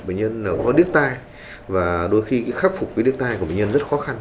bệnh nhân có điếc tai và đôi khi khắc phục cái điếc tai của bệnh nhân rất khó khăn